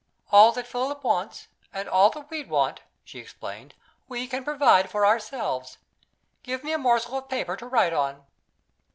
"All that Philip wants, and all that we want," she explained, "we can provide for ourselves. Give me a morsel of paper to write on."